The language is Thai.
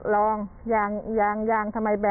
โดนไปทั้ง๔ล้อเลยนะครับ